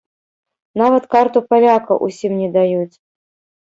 Нават карту паляка ўсім не даюць.